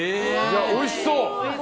おいしそう！